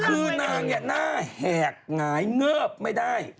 คือนางเนี่ยหน้าแหกหงายเงิบไม่ได้